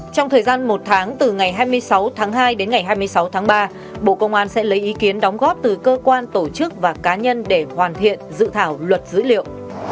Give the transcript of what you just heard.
trong thời gian một tháng từ ngày hai mươi sáu tháng hai đến ngày hai mươi sáu tháng ba bộ công an sẽ lấy ý kiến đóng góp từ cơ quan tổ chức và cá nhân để hoàn thiện dự thảo luật dữ liệu